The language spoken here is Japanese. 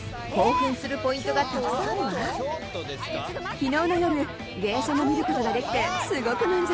昨日の夜芸者も見る事ができてすごく満足。